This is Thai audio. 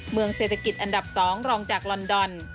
เมืองเศรษฐกิจอันดับ๒รองจากลอนดอน